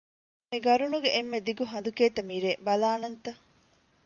މި ގަރުނުގެ އެންމެ ދިގު ހަނދު ކޭތަ މިރޭ، ބަލާނަންތަ؟